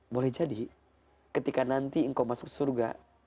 boleh jadi ketika nanti engkau masuk surga